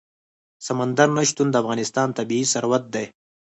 سمندر نه شتون د افغانستان طبعي ثروت دی.